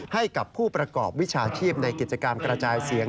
ให้กับผู้ประกอบวิชาชีพในกิจกรรมกระจายเสียง